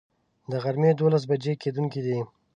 د غرمي دولس بجي کیدونکی دی